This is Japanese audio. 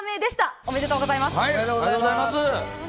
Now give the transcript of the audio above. おめでとうございます。